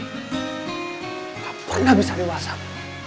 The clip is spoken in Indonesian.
gak pernah bisa diwasap